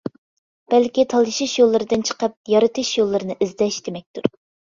بەلكى تالىشىش يوللىرىدىن چىقىپ، يارىتىش يوللىرىنى ئىزدەش دېمەكتۇر.